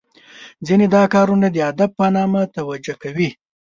ځینې دا کارونه د ادب په نامه توجه کوي .